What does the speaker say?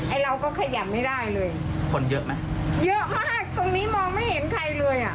เราก็ขยำไม่ได้เลยคนเยอะไหมเยอะมากตรงนี้มองไม่เห็นใครเลยอ่ะ